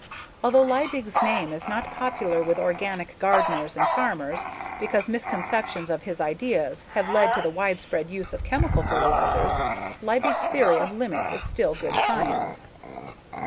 Although Liebig's name is not popular with organic gardeners and farmers because misconceptions of his ideas have led to the widespread use of chemical fertilizers, Liebig's theory of limits is still good science.